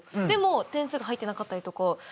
でも点数が入ってなかったりとか。